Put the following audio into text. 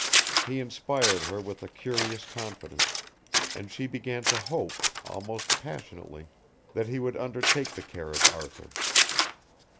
He inspired her with a curious confidence, and she began to hope, almost passionately, that he would undertake the care of Arthur.